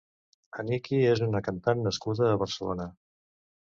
Aniki és una cantant nascuda a Barcelona.